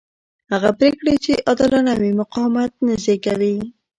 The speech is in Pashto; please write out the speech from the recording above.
هغه پرېکړې چې عادلانه وي مقاومت نه زېږوي